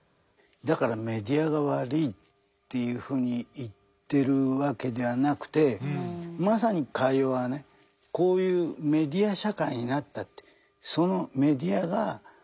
だからメディアが悪いというふうに言ってるわけではなくてまさにカイヨワはねこういうメディア社会になったって。